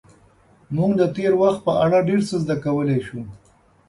موږ د تېر وخت په اړه ډېر څه زده کولی شو.